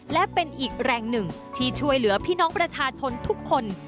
และเป็นอีกแรงหนึ่งที่ช่วยเหลือพี่น้องประชาชนทุกคน